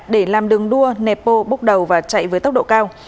để làm đường đua nẹp bô bốc đầu và chạy với tốc độ cao